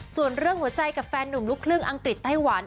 ส่วนเรื่องหัวใจกับแฟนหนุ่มลูกครึ่งอังกฤษไต้หวัน